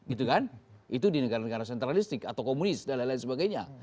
itu kan itu di negara negara sentralistik atau komunis dan lain lain sebagainya